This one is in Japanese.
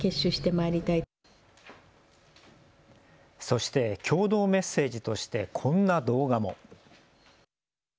そして共同メッセージとしてこんな動画も。